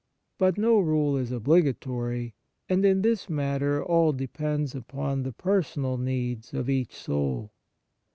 But no rule is obligatory ; and in this matter all depends upon the personal needs of each soul.